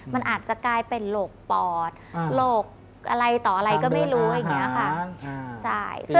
มันอาจจะกลายเป็นโรคปอดโรคอะไรต่ออะไรก็ไม่รู้อย่างนี้ค่ะ